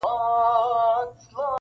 • د کیږدۍ ښکلي دربدري ګرځي -